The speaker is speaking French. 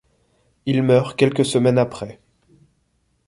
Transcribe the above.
Il meurt quelques semaines après.